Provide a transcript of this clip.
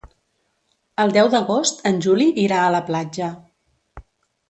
El deu d'agost en Juli irà a la platja.